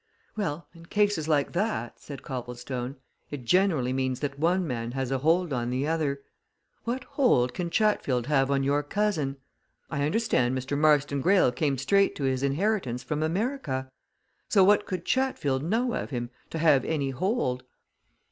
"Well, in cases like that," said Copplestone, "it generally means that one man has a hold on the other. What hold can Chatfield have on your cousin? I understand Mr. Marston Greyle came straight to his inheritance from America. So what could Chatfield know of him to have any hold?"